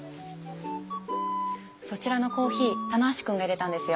そちらのコーヒー棚橋君がいれたんですよ。